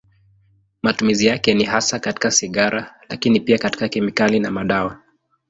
Matumizi yake ni hasa katika sigara, lakini pia katika kemikali na madawa.